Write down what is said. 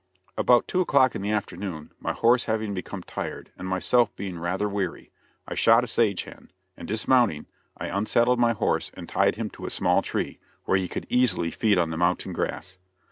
About two o'clock in the afternoon, my horse having become tired, and myself being rather weary, I shot a sage hen, and dismounting, I unsaddled my horse and tied him to a small tree, where he could easily feed on the mountain grass.